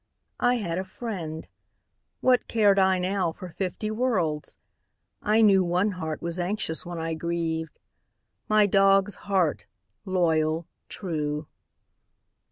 I had a friend; what cared I now For fifty worlds? I knew One heart was anxious when I grieved My dog's heart, loyal, true.